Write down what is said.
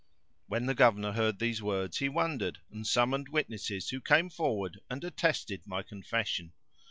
When the Governor heard these words he wondered and summoned witnesses who came forward and attested my confession.